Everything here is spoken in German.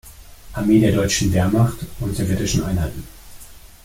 Armee der deutschen Wehrmacht, und sowjetischen Einheiten.